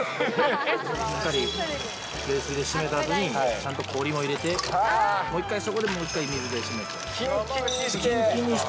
しっかり冷水で締めたあとに、ちゃんと氷も入れて、もう一回そきんきんにして。